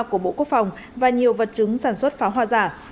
của bộ quốc phòng và nhiều vật chứng sản xuất pháo hoa giả